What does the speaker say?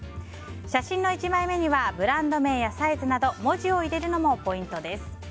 写真の１枚目にはブランド名やサイズなど文字を入れるのもポイントです。